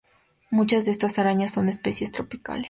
Muchas de estas arañas son especies tropicales.